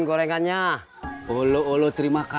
gue harus pergi mana laras sama kamu